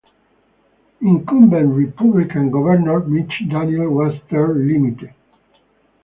Incumbent Republican Governor Mitch Daniels was term-limited.